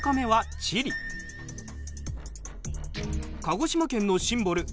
鹿児島県のシンボル